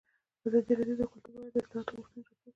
ازادي راډیو د کلتور په اړه د اصلاحاتو غوښتنې راپور کړې.